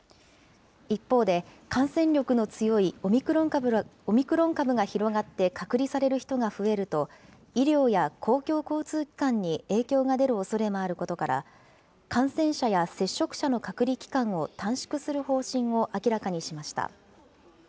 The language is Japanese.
一方で、感染力の強いオミクロン株が広がって隔離される人が増えると、医療や公共交通機関に影響が出るおそれもあることから、感染者や接触者の隔離期間を短縮する方針を明らかにしました。